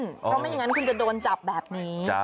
เพราะไม่อย่างนั้นคุณจะโดนจับแบบนี้